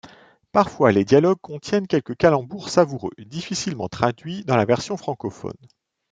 Parfois les dialogues contiennent quelques calembours savoureux, difficilement traduits dans la version francophone.